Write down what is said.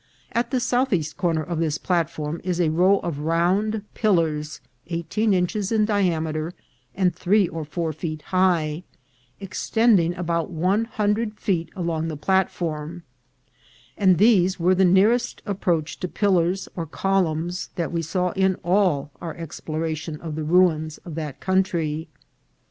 At the southeast corner of this platform is a row of round pillars eighteen inches in diameter and three or four feet high, extending about one hundred feet along the platform ; and these were the nearest approach to pil lars or columns that we saw in all our exploration of the ruins of that country.